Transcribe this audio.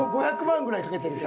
５００万ぐらいかけてる。